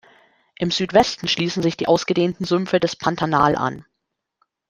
Im Südwesten schließen sich die ausgedehnten Sümpfe des Pantanal an.